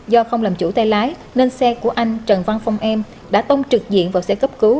do không làm chủ tay lái nên xe của anh trần văn phong em đã tông trực diện vào xe cấp cứu